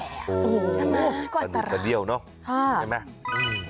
โอ้โฮใช่ไหมก็อัตราอันเดียวเนอะใช่ไหมอืม